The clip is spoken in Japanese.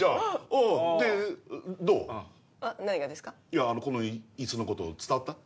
いやこのイスのこと伝わった？